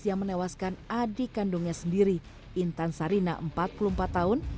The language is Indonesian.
yang menewaskan adik kandungnya sendiri intan sarina empat puluh empat tahun